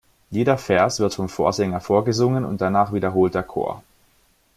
Jeder Vers wird vom Vorsänger vorgesungen und danach wiederholt der Chor.